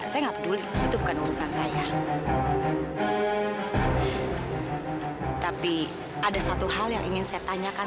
sampai jumpa di video selanjutnya